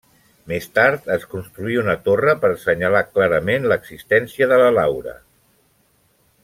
Més tard es construí una torre per assenyalar clarament l'existència de la laura.